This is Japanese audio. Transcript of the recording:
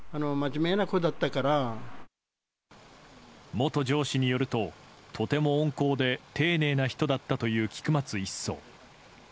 元上司によると、とても温厚で丁寧な人だったという菊松１曹。